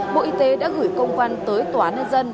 bộ y tế đã gửi công văn tới tòa án nhân dân